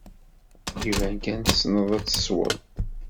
Iban kan tessned ad tessewwed.